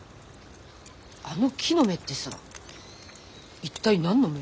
あの木の芽ってさ一体何の芽？